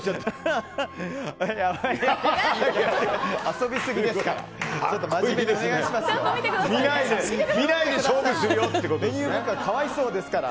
遊びすぎですから。